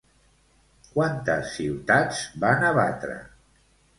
Quantes ciutats van abatre?